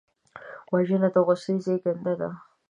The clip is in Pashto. وژنه د غصې زېږنده ده